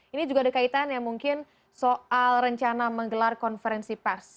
ini juga ada kaitannya mungkin soal rencana menggelar konferensi pers